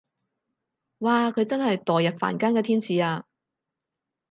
哇佢真係墮入凡間嘅天使啊